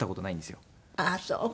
ああそうか！